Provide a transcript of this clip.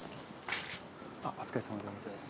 あっお疲れさまです。